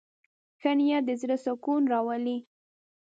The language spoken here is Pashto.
ښه نیت د زړه سکون راولي.